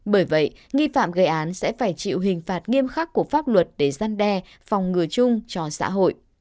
bởi vậy nghi phạm gây án sẽ phải chịu hình phạt nghiêm khắc của pháp luật để gian đe phòng ngừa chung cho xã hội